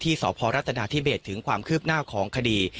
สพรัฐนาธิเบสถึงความคืบหน้าของคดี